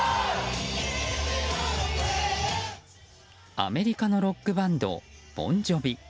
アメリカのロックバンドボン・ジョヴィ。